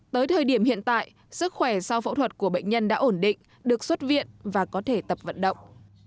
tới thời điểm hiện tại sức khỏe sau phẫu thuật của bệnh nhân đã ổn định được xuất viện và có thể tập vận động